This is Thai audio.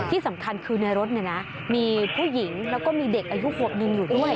ที่สำคัญคือในรถเนี่ยนะมีผู้หญิงแล้วก็มีเด็กอายุขวบหนึ่งอยู่ด้วย